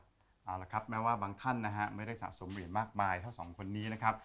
เอาละครับแม้ว่าบางท่านนะฮะไม่ได้สะสมเหรียญมากมายเท่าสองคนนี้นะครับ